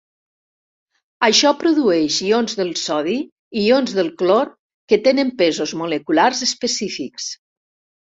Això produeix ions del sodi i ions del clor que tenen pesos moleculars específics.